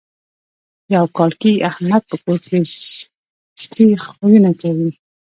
یو کال کېږي احمد په کور کې سپي خویونه کوي.